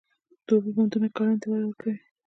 د اوبو بندونه کرنې ته وده ورکوي.